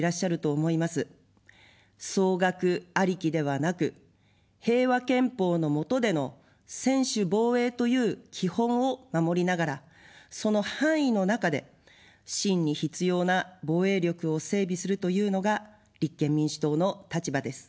総額ありきではなく、平和憲法の下での専守防衛という基本を守りながら、その範囲の中で真に必要な防衛力を整備するというのが立憲民主党の立場です。